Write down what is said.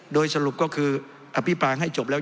โดยสรุปก็คืออภิปรายให้จบแล้ว